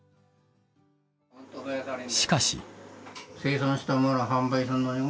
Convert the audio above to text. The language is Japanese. しかし。